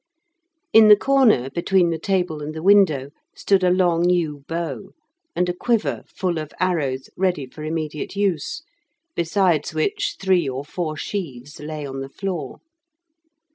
In the corner, between the table and the window, stood a long yew bow, and a quiver full of arrows ready for immediate use, besides which three or four sheaves lay on the floor.